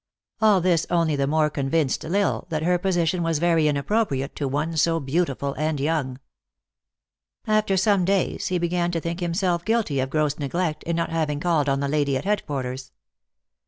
All this only the more convinced L Isle that her position was very inappropriate to one so beautiful and young. After some days he began to think himself guilty of gross neglect in not having called on the lady at headquarters.